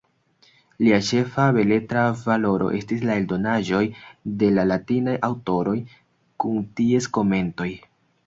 Lia ĉefa beletra valoro estis la eldonaĵoj de la latinaj aŭtoroj kun ties komentoj.